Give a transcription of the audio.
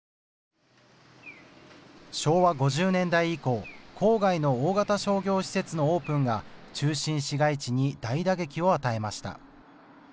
昭和５０年代以降、郊外の大型商業施設のオープンが中心市街地に大打撃を与えました。